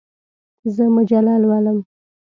زه مجله لولم.